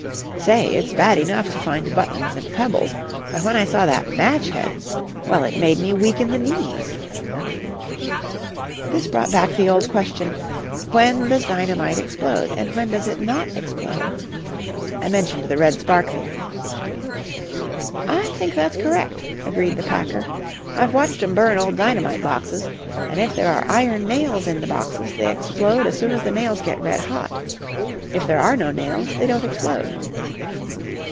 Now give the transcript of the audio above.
Say, it's bad enough to find buttons and pebbles, but when I saw that match head well, it made me weak in the knees." This brought back the old question, When does dynamite explode, and when does it not explode? I mentioned the red spark theory. "I think that's correct," agreed the packer. "I've watched 'em burn old dynamite boxes, and if there are iron nails in the boxes they explode as soon as the nails get red hot; if there are no nails, they don't explode."